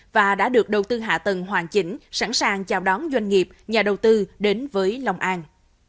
và đã được đầu tư hạ tầng hoàn chỉnh sẵn sàng chào đón doanh nghiệp nhà đầu tư đến với long an